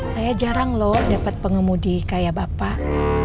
saya jarang lho dapat pengemudi kaya bapak